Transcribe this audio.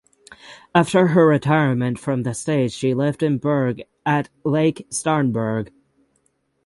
After her retirement from the stage she lived in Berg at Lake Starnberg.